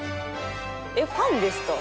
えっファンですか？